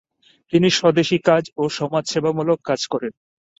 তিনি স্বদেশী কাজ ও সমাজ সেবামুলক কাজ করেন।